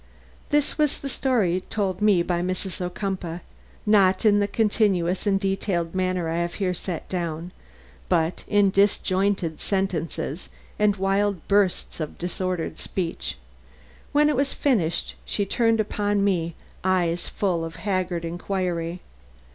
This was the story told me by Mrs. Ocumpaugh; not in the continuous and detailed manner I have here set down, but in disjointed sentences and wild bursts of disordered speech. When it was finished she turned upon me eyes full of haggard inquiry.